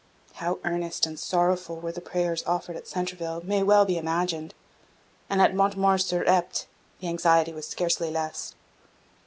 How earnest and sorrowful were the prayers offered at Centeville may well be imagined; and at Montemar sur Epte the anxiety was scarcely less.